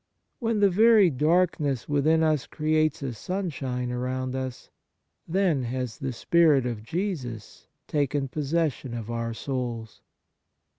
When the very darkness within us creates a sunshine around us, then has the Spirit of Jesus taken posses sion of our souls.